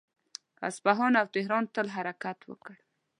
اصفهان او تهران ته حرکت وکړ.